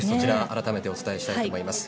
改めてお伝えします。